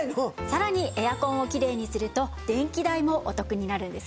さらにエアコンをきれいにすると電気代もお得になるんですよね！